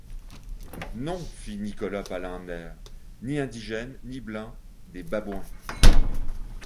Non! fit Nicolas Palander, ni indigènes... ni blancs... des babouins !